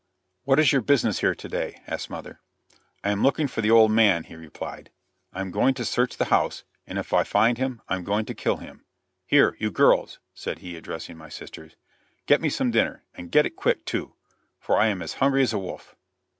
"What is your business here to day?" asked mother. "I am looking for the old man," he replied. "I am going to search the house, and if I find him I am going to kill him. Here, you girls," said he, addressing my sisters, "get me some dinner, and get it quick, too, for I am as hungry as a wolf."